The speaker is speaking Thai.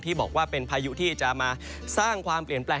บอกว่าเป็นพายุที่จะมาสร้างความเปลี่ยนแปลง